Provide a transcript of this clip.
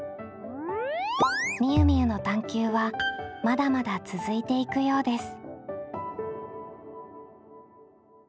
みゆみゆの探究はまだまだ続いていくようです。